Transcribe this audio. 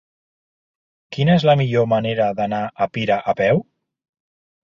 Quina és la millor manera d'anar a Pira a peu?